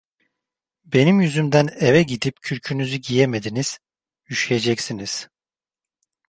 Benim yüzümden eve gidip kürkünüzü giyemediniz, üşüyeceksiniz!